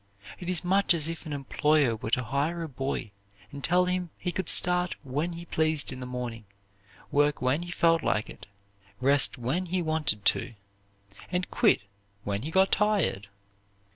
It is much as if an employer were to hire a boy, and tell him he could start when he pleased in the morning, work when he felt like it, rest when he wanted to, and quit when he got tired!